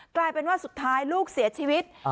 กลายเป็นว่าสุดท้ายลูกเสียชีวิต